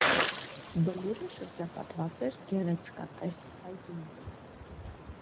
Բլուրը շրջապատված էր գեղեցկատես այգիներով։